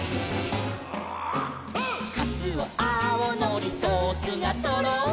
「かつおあおのりソースがとろり」